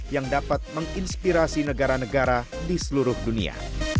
yang dapat menginspirasi negara negara di seluruh dunia